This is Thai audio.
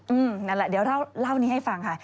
นั่นแหละเดี๋ยวเล่านี้ให้ฟังค่ะ